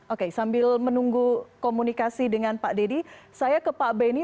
oke sambil menunggu komunikasi dengan pak deddy saya ke pak benny